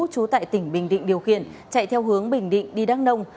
trú tại tỉnh bình định điều khiển chạy theo hướng bình định đi đăng nông